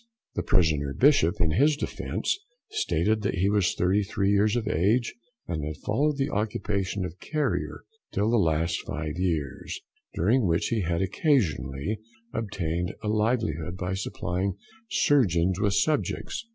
The prisoner Bishop in his defence stated that he was thirty three years of age, and had followed the occupation of carrier till the last five years, during which he had occasionally obtained a livelihood by supplying surgeons with subjects.